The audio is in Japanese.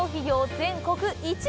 全国１位！